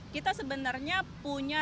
kita sebenarnya punya